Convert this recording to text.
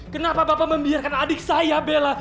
kenapa bapak membiarkan adik saya bella